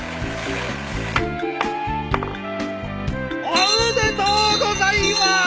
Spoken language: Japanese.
おめでとうございまーす！